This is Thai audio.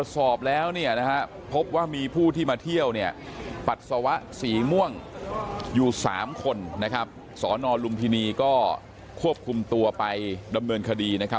สีม่วงอยู่สามคนนะครับสอนอลุมพินีก็ควบคุมตัวไปดำเนินคดีนะครับ